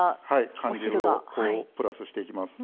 缶汁をプラスしていきます。